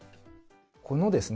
このですね